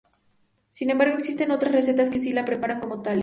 Sin embargo, existen otras recetas que sí las preparan como tales.